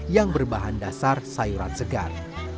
yang berbahan dasar sayuran segar